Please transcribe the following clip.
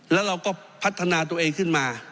แล้วเราก็พัฒนาตัวเองขึ้นมา